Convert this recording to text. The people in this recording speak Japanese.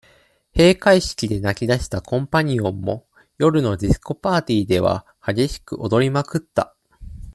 閉会式で泣き出したコンパニオンも、夜のディスコパーティーでは、激しく踊りまくった。